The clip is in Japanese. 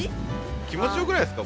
気持ちよくないですか？